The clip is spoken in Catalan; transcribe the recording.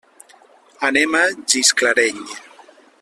Anem a Gisclareny.